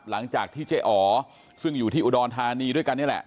หลังจากที่เจ๊อ๋อซึ่งอยู่ที่อุดรธานีด้วยกันนี่แหละ